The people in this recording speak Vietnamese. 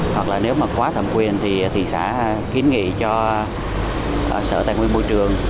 hoặc là nếu mà quá thẩm quyền thì thị xã kiến nghị cho sở tài nguyên môi trường